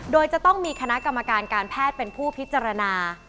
โดยจะต้องมีคณะกรรมการการแพทย์เป็นผู้พิจารณา